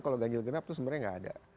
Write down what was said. kalau ganjil genap itu sebenarnya nggak ada